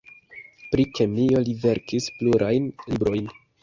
Pri kemio li verkis plurajn librojn.